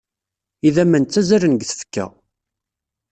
Idammen ttazzalen deg tfekka.